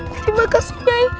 terima kasih nyai